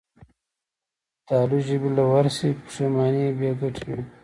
کله چې تالو ژبې له ورشي، پښېماني بېګټې وي.